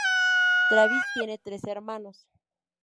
Travis tiene tres hermanos.